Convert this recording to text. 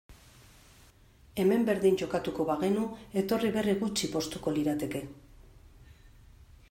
Hemen berdin jokatuko bagenu, etorri berri gutxi poztuko lirateke.